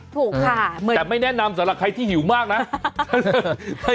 ถูกค่ะแต่ไม่แนะนำสำหรับใครที่หิวมากนะ